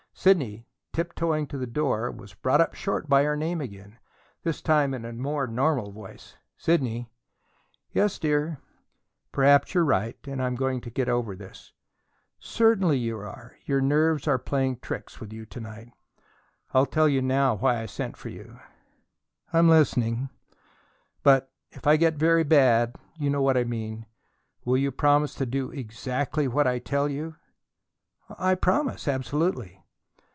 Sidney, tiptoeing to the door, was brought up short by her name again, this time in a more normal voice: "Sidney." "Yes, dear." "Perhaps you are right and I'm going to get over this." "Certainly you are. Your nerves are playing tricks with you to night." "I'll tell you now why I sent for you." "I'm listening." "If if I get very bad, you know what I mean, will you promise to do exactly what I tell you?" "I promise, absolutely."